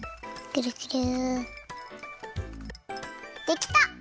できた！